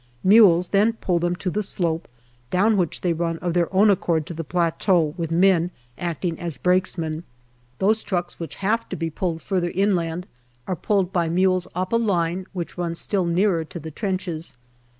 Mules then pull them to the slope, down which they run of their own accord to the plateau with men acting as brakesmen. Those trucks which have to be DECEMBER , 309 pulled further inland are pulled by mules up a line which runs still nearer to the trenches.